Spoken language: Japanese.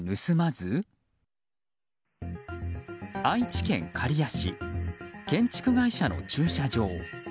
愛知県刈谷市建築会社の駐車場。